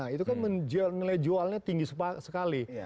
itu kan nilai jualnya tinggi sekali